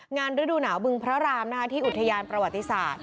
ฤดูหนาวบึงพระรามที่อุทยานประวัติศาสตร์